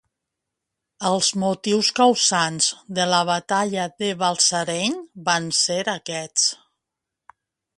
Els motius causants de la batalla de Balsareny van ser aquests.